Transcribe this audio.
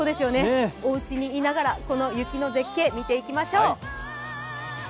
おうちにいながらこの雪の絶景、見ていきましょう。